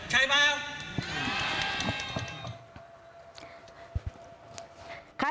ใช่เปล่า